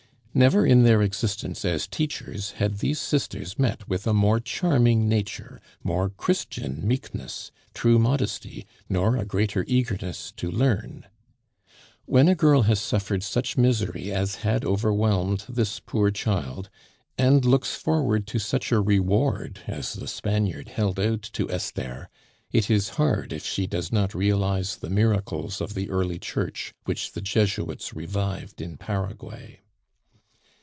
Never in their existence as teachers had these sisters met with a more charming nature, more Christian meekness, true modesty, nor a greater eagerness to learn. When a girl has suffered such misery as had overwhelmed this poor child, and looks forward to such a reward as the Spaniard held out to Esther, it is hard if she does not realize the miracles of the early Church which the Jesuits revived in Paraguay.